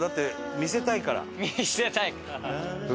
「見せたいから」。